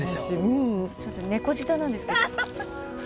猫舌なんですけど。